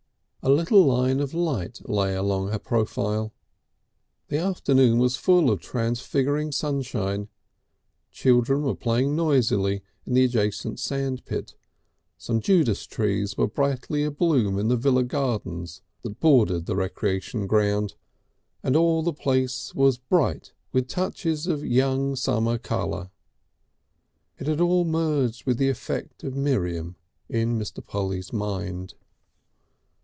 A little line of light lay along her profile. The afternoon was full of transfiguring sunshine, children were playing noisily in the adjacent sandpit, some Judas trees were brightly abloom in the villa gardens that bordered the Recreation Ground, and all the place was bright with touches of young summer colour. It all merged with the effect of Miriam in Mr. Polly's mind.